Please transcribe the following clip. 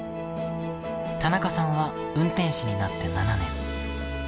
田中さんは運転士になって７年目。